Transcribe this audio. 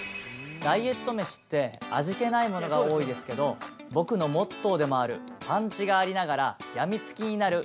ダイエット飯って味気ないものが多いですけど、僕のモットーでもあるパンチがありながらやみつきになる